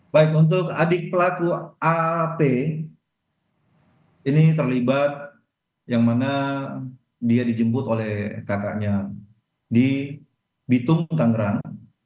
baik untuk adik pelaku at ini terlibat yang mana dia dijemput oleh kakaknya di bitung tangerang